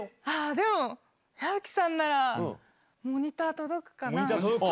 でも、矢吹さんならモニターモニター届くか。